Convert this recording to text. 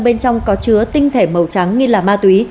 bên trong có chứa tinh thể màu trắng nghi là ma túy